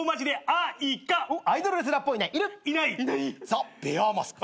ザベアーマスク。